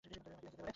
বাকিরা যেতে পারে।